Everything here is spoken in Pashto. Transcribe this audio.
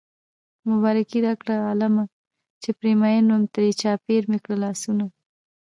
مبارکي راکړئ عالمه چې پرې مين وم ترې چاپېر مې کړل لاسونه